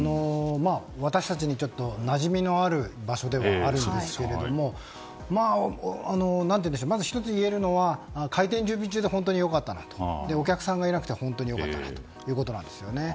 私たちに、なじみのある場所でもあるんですが１つ、言えるのは開店準備中で本当に良かったなとお客さんがいなくて本当に良かったなということですね。